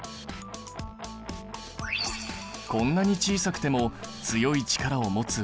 こんなに小さくても強い力を持つ